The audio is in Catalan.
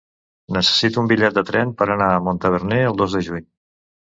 Necessito un bitllet de tren per anar a Montaverner el dos de juny.